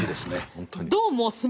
本当に。